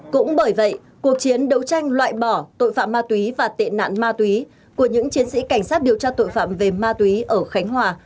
cũng bởi vậy cuộc chiến đấu tranh loại bỏ tội phạm ma túy và tệ nạn ma túy của những chiến sĩ cảnh sát điều tra tội phạm về ma túy ở khánh hòa